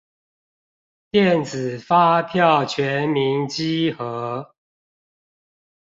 電子發票全民稽核